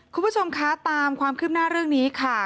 คุณผู้ชมคะตามความคืบหน้าเรื่องนี้ค่ะ